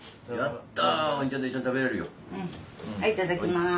はいいただきます。